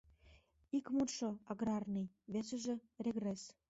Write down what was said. Ик мутшо — аграрный, весыже — регресс...